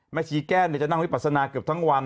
แม่ชีแก้วเนี่ยจะนั่งวิปัสนาเกือบทั้งวัน